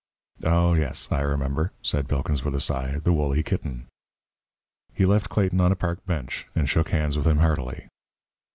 "Oh, yes, I remember," said Pilkins, with a sigh, "the woolly kitten." He left Clayton on a park bench, and shook hands with him heartily.